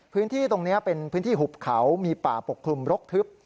พื้นที่ตรงนี้เป็นพื้นที่หุบเขามีป่าปกคลุมรกทึบ